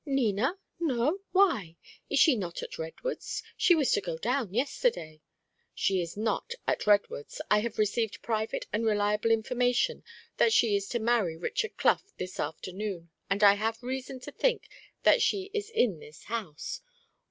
"Nina? No. Why? Is she not at Redwoods? She was to go down yesterday." "She is not at Redwoods. I have received private and reliable information that she is to marry Richard Clough this afternoon, and I have reason to think that she is in this house."